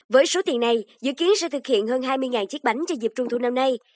với số tiền này dự kiến sẽ thực hiện hơn hai mươi chiếc bánh cho dịp trung thu năm nay